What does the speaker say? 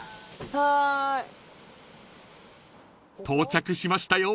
到着しました。